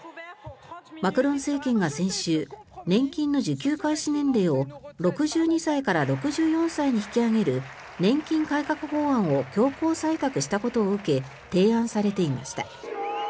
マクロン政権が先週年金の受給開始年齢を６２歳から６４歳に引き上げる年金改革法案を強行採択したことを受け提案されていました。